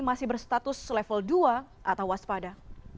masih berstatus level dua atau waspada